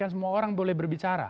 karena semua orang boleh berbicara